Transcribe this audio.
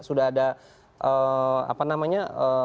sudah ada apa namanya